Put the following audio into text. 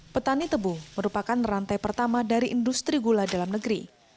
petani tebu merupakan rantai pertama dari industri gula dalam negeri